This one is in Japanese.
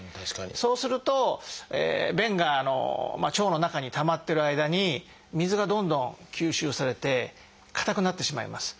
そうすると便が腸の中にたまってる間に水がどんどん吸収されて硬くなってしまいます。